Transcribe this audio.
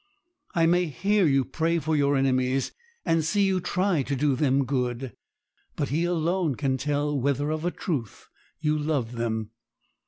I may hear you pray for your enemies, and see you try to do them good; but He alone can tell whether of a truth you love them.'